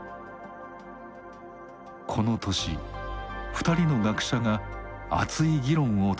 この年２人の学者が熱い議論を戦わせます。